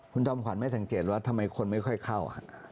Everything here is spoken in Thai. คุณจอมขวัญไม่สังเกตว่าทำไมคนไม่ค่อยเข้า